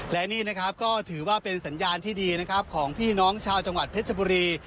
และนี่นะครับก็ถือว่าเป็นสัญญาณที่ดีนะครับของพี่น้องชาวจังหวัดเพชรบุรี